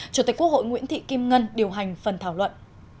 chủ tịch quốc hội nguyễn thị kim ngân điều hành phần thảo luận